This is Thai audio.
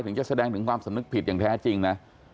ถึงจะแสดงถึงความสำนึกผิดอย่างแท้จริงนะ